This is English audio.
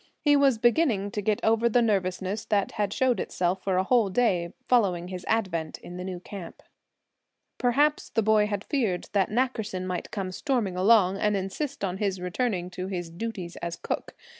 He was beginning to get over the nervousness that had shown itself for a whole day following his advent in the new camp. Perhaps the boy had feared that Nackerson might come storming along, and insist on his returning to his duties as cook.